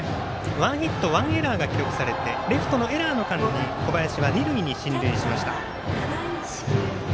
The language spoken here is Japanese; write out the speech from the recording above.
ワンヒットワンエラーが記録されてレフトのエラーの間に小林は二塁に進塁しました。